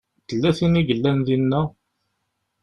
Tella tin i yellan dinna?